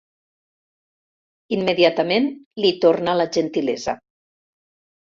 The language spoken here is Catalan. Immediatament li torna la gentilesa.